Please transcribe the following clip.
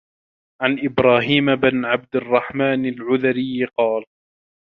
عَنْ إبْرَاهِيمَ بْنِ عَبْدِ الرَّحْمَنِ الْعُذْرِيِّ قَالَ